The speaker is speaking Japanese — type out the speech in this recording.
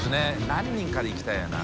△何人かで行きたいよね。